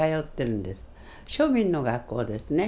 庶民の学校ですね。